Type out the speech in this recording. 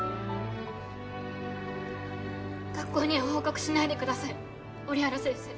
学校には報告しないでください折原先生。